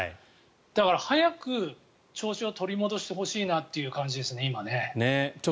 だから、早く調子を取り戻してほしいなという感じですね。